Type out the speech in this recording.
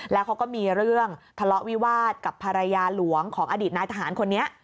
แล้วเขาก็มีเรื่องทะเลาะวิวาสกับภรรยาหลวงของอดีตนายทหารคนนี้